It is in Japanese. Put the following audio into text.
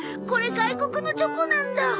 これ外国のチョコなんだ。